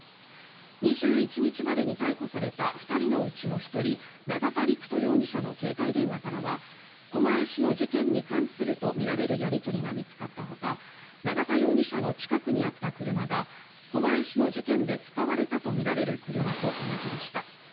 ２１日までに逮捕された２人のうちの１人永田陸人容疑者の携帯電話からは狛江市の事件に関するとみられるやり取りが見つかったほか永田容疑者の近くにあった車が狛江市の事件で使われたとみられる車と同じでした。